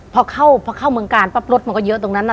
พอเข้าเมืองกาลปั๊บรถมันก็เยอะตรงนั้นน่ะ